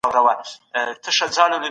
پلی تګ د زړه روغتیا تضمینوي.